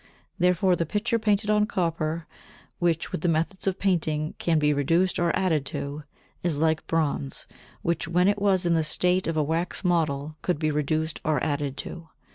Therefore the picture painted on copper, which with the methods of painting can be reduced or added to, is like bronze, which when it was in the state of a wax model could be reduced or added to.